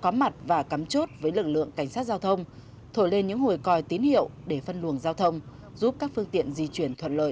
có mặt và cắm chốt với lực lượng cảnh sát giao thông thổi lên những hồi còi tín hiệu để phân luồng giao thông giúp các phương tiện di chuyển thuận lợi